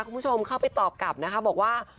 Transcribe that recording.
คุณผู้ชมเข้าไปตอบกลับนะคะบอกว่า